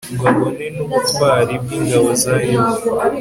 ngo abone n'ubutwari bw'ingabo za yuda